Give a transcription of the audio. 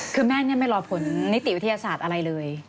คือแม่ไม่รอผลนิติวิทยาศาสตร์อะไรเลย